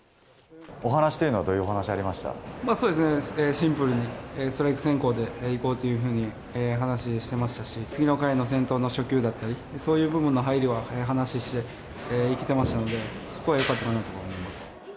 お話というのは、どういう話そうですね、シンプルにストライク先行でいこうというふうに話してましたし、次の回の先頭の初球だったり、そういう部分の配慮は話して、いけてましたので、そこはよかったかなと思います。